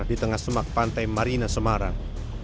di tengah semak pantai marina semarang